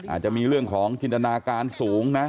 อาจจะมีเรื่องของจินตนาการสูงนะ